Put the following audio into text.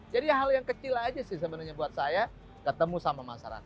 jadi hal yang kecil aja sih sebenarnya buat saya ketemu sama masyarakat